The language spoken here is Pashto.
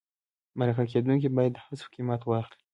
مرکه کېدونکی باید د هڅو قیمت واخلي.